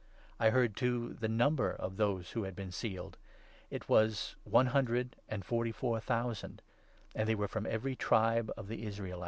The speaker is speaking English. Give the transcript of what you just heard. I heard, 4 too, the number of those who had been sealed. It was one hundred and forty four thousand ; and they were from every tribe of the Israelites.